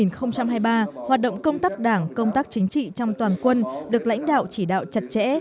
năm hai nghìn hai mươi ba hoạt động công tác đảng công tác chính trị trong toàn quân được lãnh đạo chỉ đạo chặt chẽ